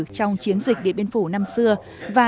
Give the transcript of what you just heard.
trong chiến dịch điện biên phủ năm xưa